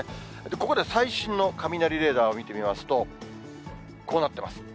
ここで最新の雷レーダーを見てみますと、こうなってます。